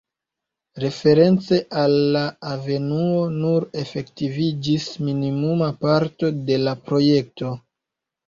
Reference al la avenuo, nur efektiviĝis minimuma parto de la projekto.